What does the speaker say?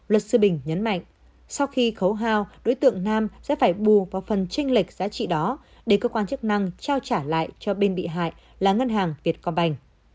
luật sư bình nhấn mạnh sau khi khấu hao đối tượng nam sẽ phải bù vào phần tranh lệch giá trị đó để cơ quan chức năng trao trả lại cho bên bị hại là ngân hàng việt công banh